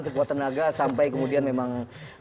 sekuat tenaga sampai kemudian memang